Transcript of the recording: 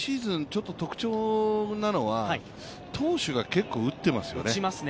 ちょっと特徴なのは、投手が結構打ってますよね。